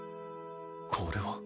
これは？